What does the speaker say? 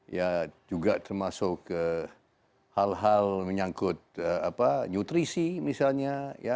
ya juga termasuk hal hal menyangkut nutrisi misalnya